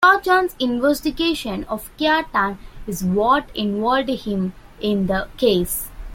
Kujan's investigation of Keaton is what involved him in the case.